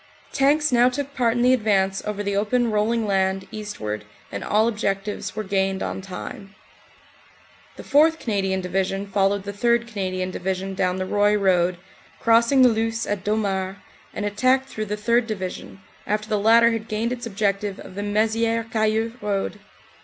Tanks now took part in the advance over the open roll ing land eastward and all objectives were gained on time. The 4th. Canadian Division followed the 3rd. Canadian Division down the Roye road, crossing the Luce at Domart, and attacked through the 3rd. Division, after the latter had gained its objective of the Mezieres Cayeux Road.